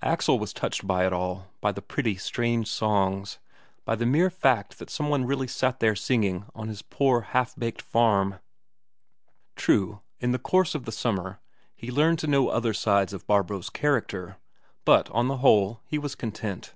Axel, was touched by it all, by the pretty, strange songs, by the mere fact that some one really sat there singing on his poor half baked farm. True, in the course of the summer he learned to know other sides of Barbro's character, but on the whole, he was content.